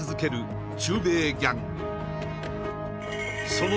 その